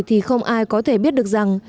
thì không ai có thể biết được rằng